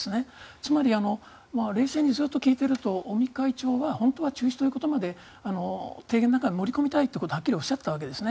つまり、冷静に聞いていると尾身会長は本当に中止ということまで提言の中に盛り込みたいとはっきりおっしゃったわけですね。